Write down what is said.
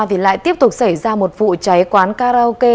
thì lại tiếp tục xảy ra một vụ cháy quán karaoke